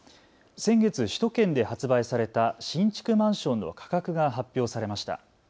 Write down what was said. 先月、首都圏で発売された新築マンションの価格が発表されました。